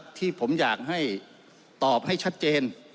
คุณชีวิตผมอยากให้ตอบให้ชัดเจน